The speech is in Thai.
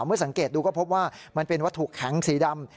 เมื่อสังเกตดูก็พบว่ามันเป็นวัตถุแข็งสีดำ